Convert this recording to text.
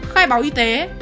khai báo y tế